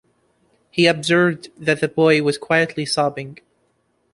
He observed that the boy was quietly sobbing.